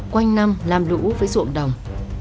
quanh năm làm lũ với ruộng đồng